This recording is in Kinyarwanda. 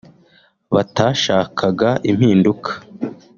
batashakaga impinduka